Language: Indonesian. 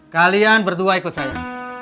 kalian berdua ikut saya